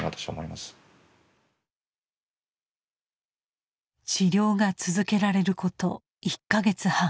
治療が続けられること１か月半。